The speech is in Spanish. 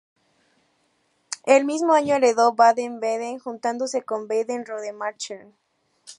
El mismo año heredó Baden-Baden, juntándose con Baden-Rodemachern.